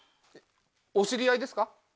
お知り合いですか？